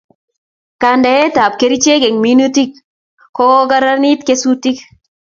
kandenaet ap kerichek eng minutik kokaraniti kesutik